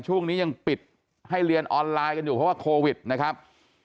ช่วงนี้ยังปิดให้เรียนออนไลน์กันอยู่เพราะว่าโควิดนะครับ